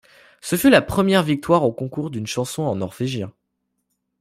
Ce fut la première victoire au concours d'une chanson en norvégien.